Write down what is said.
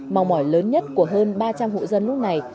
mong mỏi lớn nhất của hơn ba trăm linh hộ dân lúc này